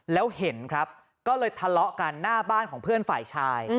แล้วเห็นครับก็เลยทะเลาะกันหน้าบ้านของเพื่อนฝ่ายชาย